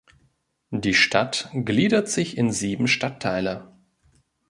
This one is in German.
Die Stadt gliedert sich in sieben Stadtteile.